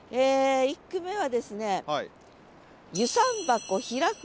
１句目はですね。